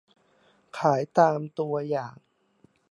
ขายตามตัวอย่าง